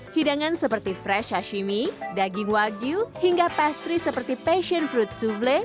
hidangan seperti fresh sashimi daging wagyu hingga pastri seperti passion fruit souvlé